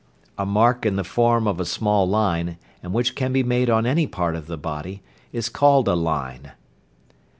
A mark in the form of a small line, and which can be made on any part of the body, is called a "line."